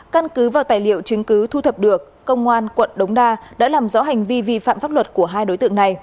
căn cứ vào tài liệu chứng cứ thu thập được công an quận đống đa đã làm rõ hành vi vi phạm pháp luật